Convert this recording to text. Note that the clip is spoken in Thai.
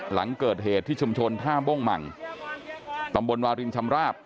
หลังเกิดเหตุที่ชมชนท่ามป้งหม่างตำบลศรรีชำราปป์